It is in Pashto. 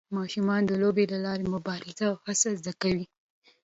ماشومان د لوبو له لارې مبارزه او هڅه زده کوي.